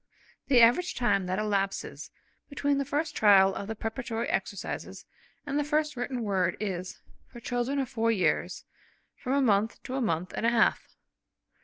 The average time that elapses between the first trial of the preparatory exercises and the first written word is, for children of four years, from a month to a month and a half.